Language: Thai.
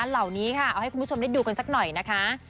เหล่านี้ค่ะเอาให้คุณผู้ชมได้ดูกันสักหน่อยนะคะ